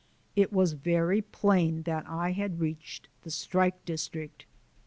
It was very plain that I had reached the strike district.